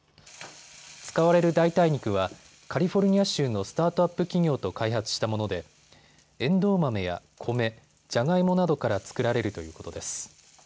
使われる代替肉はカリフォルニア州のスタートアップ企業と開発したものでエンドウ豆や米、ジャガイモなどから作られるということです。